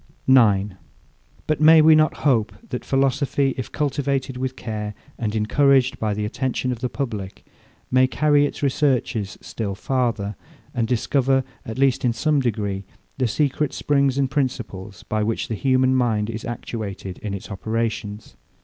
9. But may we not hope, that philosophy, if cultivated with care, and encouraged by the attention of the public, may carry its researches still farther, and discover, at least in some degree, the secret springs and principles, by which the human mind is actuated in its operations?